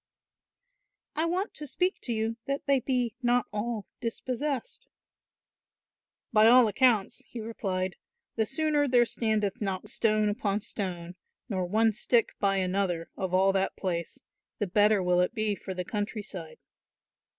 "I want to speak to you that they be not all dispossessed." "By all accounts," he replied, "the sooner there standeth not stone upon stone, nor one stick by another of all that place, the better will it be for the country side."